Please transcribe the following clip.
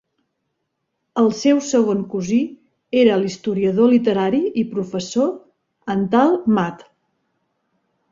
El seu segon cosí era l"historiador literari i professor Antal Mádl.